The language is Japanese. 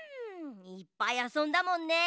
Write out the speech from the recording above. いっぱいあそんだもんね。